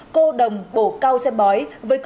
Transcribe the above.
cô đồng bổ cao xe bói